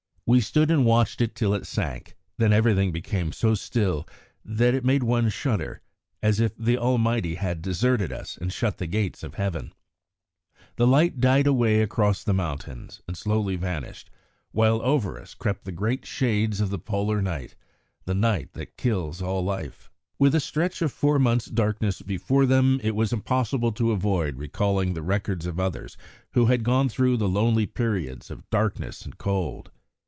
We stood and watched it till it sank; then everything became so still that it made one shudder as if the Almighty had deserted us and shut the gates of Heaven. The light died away across the mountains and slowly vanished, while over us crept the great shades of the Polar night, the night that kills all life." With a stretch of four months' darkness before them, it was impossible to avoid recalling the records of others who had gone through the lonely period of darkness and cold.